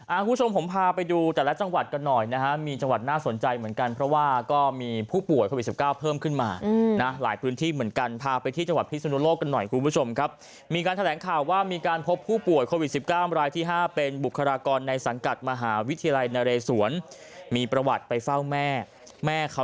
คุณผู้ชมผมพาไปดูแต่ละจังหวัดกันหน่อยนะฮะมีจังหวัดน่าสนใจเหมือนกันเพราะว่าก็มีผู้ป่วยโควิดสิบเก้าเพิ่มขึ้นมานะหลายพื้นที่เหมือนกันพาไปที่จังหวัดพิศนุโลกกันหน่อยคุณผู้ชมครับมีการแถลงข่าวว่ามีการพบผู้ป่วยโควิดสิบเก้ารายที่ห้าเป็นบุคลากรในสังกัดมหาวิทยาลัยนเรสวนมีประวัติไปเฝ้าแม่แม่เขา